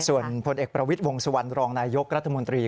ส่วนพลเอกประวิทย์วงสุวรรณรองนายยกรัฐมนตรี